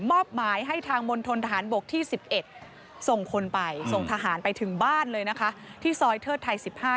มอบหมายให้ทางมณฑนทหารบกที่๑๑ส่งคนไปส่งทหารไปถึงบ้านเลยนะคะที่ซอยเทิดไทย๑๕